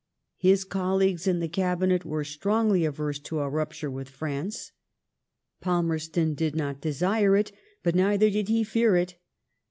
His colleagues in the Cabinet were strongly averse to a rupture with France. Palmerston did not desire it, but neither did he fear it.